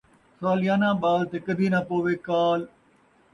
سالیانہ ٻال تے کدی ناں پووے کال